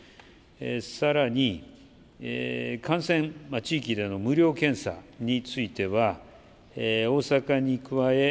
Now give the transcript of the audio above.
さらに、感染地域での無料検査については、大阪に加え、